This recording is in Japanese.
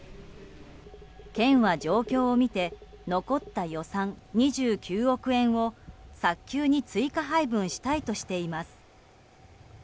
県は状況を見て残った予算２９億円を早急に追加配分したいとしています。